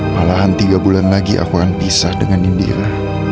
malahan tiga bulan lagi aku akan pisah dengan india